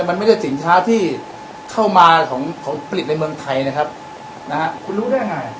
มันไม่ใช่สินค้าที่เข้ามาของของผลิตในเมืองไทยนะครับนะฮะคุณรู้ได้ไง